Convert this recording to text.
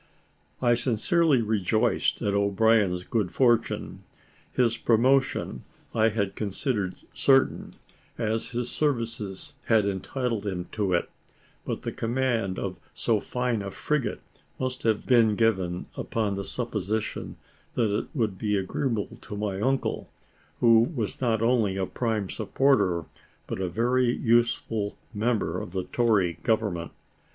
I sincerely rejoiced at O'Brien's good fortune. His promotion I had considered certain, as his services had entitled him to it: but the command of so fine a frigate must have been given upon the supposition that it would be agreeable to my uncle, who was not only a prime supporter, but a very useful member of the Tory government.